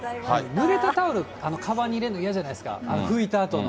濡れたタオル、かばんに入れるの嫌じゃないですか、拭いたあとの。